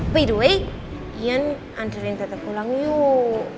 by the way ian anterin tata pulang yuk